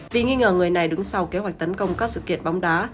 vì nghi ngờ người này đứng sau kế hoạch tấn công các sự kiện bóng đá